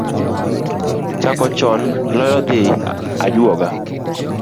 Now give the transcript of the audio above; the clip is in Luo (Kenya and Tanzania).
Chako chon loyo dhi ajuoga